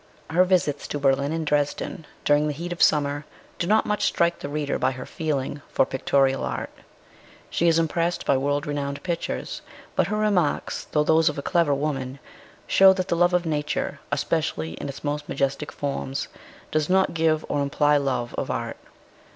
Her visits to Berlin and Dresden, during the heat of summer, do not much strike the reader by her feeling for pictorial art. She is impressed by world renowned pictures ; but her remarks, though those of a clever woman, show that the love of nature, especially 224 MRS. SHELLEY. in its most majestic forms, does not give or imply love of art.